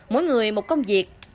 mỗi người một công việc